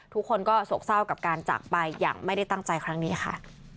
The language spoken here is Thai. ทุกคนก็โศกเศร้ากับการจากไปอย่างไม่ได้ตั้งใจครั้งนี้ค่ะ